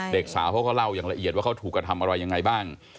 เด็กสาวเขาก็เล่าอย่างละเอียดว่าเขาถูกกระทำอะไรยังไงบ้าง